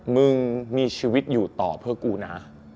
มึงมีชีวิตอยู่ต่อเพื่อกูนะ